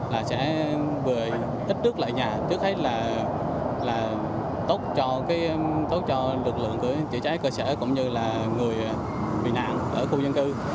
là sẽ vừa ít rước lại nhà trước hết là tốt cho lực lượng chữa cháy cơ sở cũng như là người bị nạn ở khu dân cư